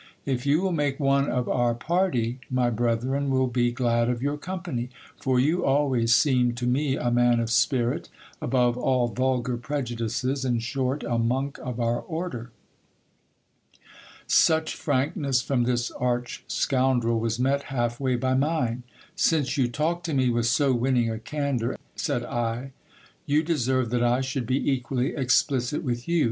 If you will make one of our party, my brethren will be glad of your company ; for you always seemed to me a man of spirit, above all vulgar prejudices, in short, a monk of our order. Such frankness from this arch scoundrel was met half way by mine. Since you talk to me with so winning a candour, said I, you deserve that I should be equally explicit with you.